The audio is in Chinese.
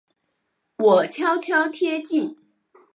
我悄悄贴近